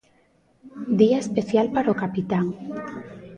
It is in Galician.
Día especial para o capitán.